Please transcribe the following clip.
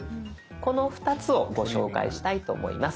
この２つをご紹介したいと思います。